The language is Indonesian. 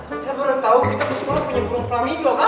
eh saya baru tau kita ke sekolah punya burung flamingo kan